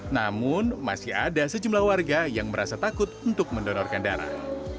namun masih ada sejumlah warga yang merasa takut untuk mendonorkan darah